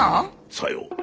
さよう。